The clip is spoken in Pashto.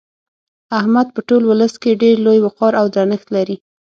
احمد په ټول ولس کې ډېر لوی وقار او درنښت لري.